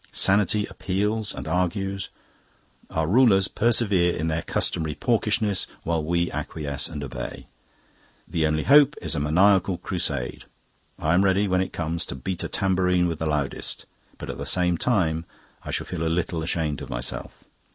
Sanity appeals and argues; our rulers persevere in their customary porkishness, while we acquiesce and obey. The only hope is a maniacal crusade; I am ready, when it comes, to beat a tambourine with the loudest, but at the same time I shall feel a little ashamed of myself.